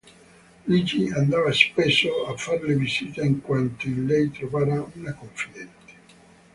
Luigi andava spesso a farle visita in quanto in lei trovava una confidente.